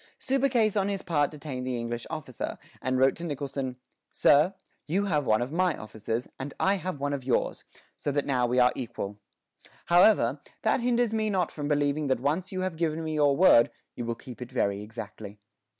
Subercase on his part detained the English officer, and wrote to Nicholson, Sir, You have one of my officers, and I have one of yours; so that now we are equal. However, that hinders me not from believing that once you have given me your word, you will keep it very exactly.